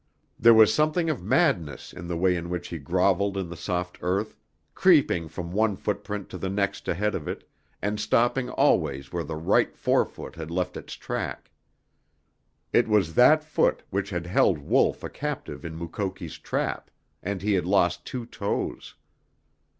There was something of madness in the way in which he groveled in the soft earth, creeping from one footprint to the next ahead of it, and stopping always where the right forefoot had left its track. It was that foot which had held Wolf a captive in Mukoki's trap, and he had lost two toes.